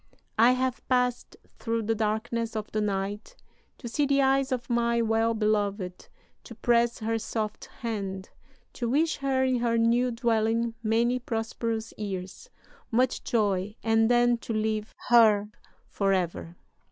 "'I have passed through the darkness of the night to see the eyes of my well beloved, to press her soft hand, to wish her in her new dwelling many prosperous years, much joy, and then to leave her forever.'...